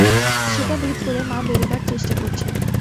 সেটা ভেদ করে মা বেরুবার চেষ্টা করছেন।